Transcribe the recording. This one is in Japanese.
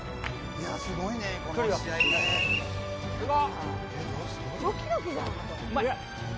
すごいねこの試合ね。